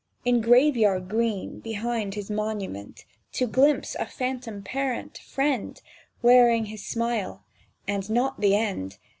In graveyard green, behind his monument To glimpse a phantom parent, friend, Wearing his smile, and "Not the end!"